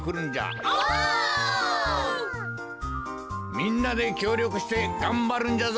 みんなできょうりょくしてがんばるんじゃぞ。